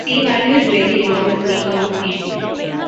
C-values vary enormously among species.